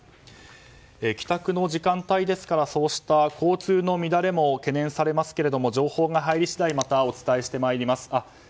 帰宅の時間帯ですからそうした交通の乱れも懸念されますけれども情報が入り次第またお伝えします。